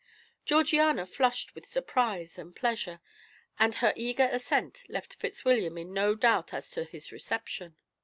Georgiana flushed with surprise and pleasure, and her eager assent left Fitzwilliam in no doubt as to his reception.